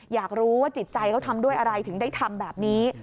อยากรู้ว่าจิตใจเขาทำด้วยอะไรถึงได้ทำแบบนี้